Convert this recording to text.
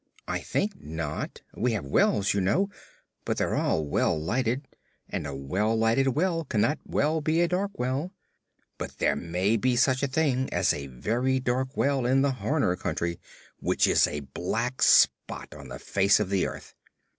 "I think not. We have wells, you know, but they're all well lighted, and a well lighted well cannot well be a dark well. But there may be such a thing as a very dark well in the Horner Country, which is a black spot on the face of the earth."